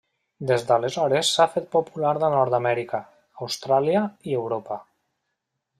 Des d'aleshores s'ha fet popular a Nord-amèrica, Austràlia i Europa.